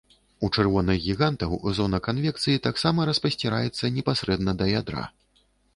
У чырвоных гігантаў зона канвекцыі таксама распасціраецца непасрэдна да ядра.